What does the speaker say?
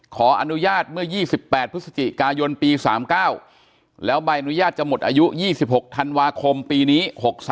ขออนุญาตเมื่อ๒๘พฤศจิกายนปี๓๙แล้วใบอนุญาตจะหมดอายุ๒๖ธันวาคมปีนี้๖๓